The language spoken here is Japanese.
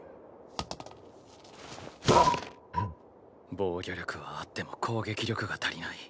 防御力はあっても攻撃力が足りない。